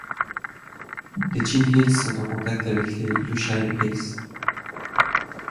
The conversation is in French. Les Chin Hills sont en contact avec les Lushaï Hills.